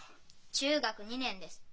中学２年です。